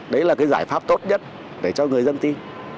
đấy là cái giải pháp tốt nhất để cho người dân tin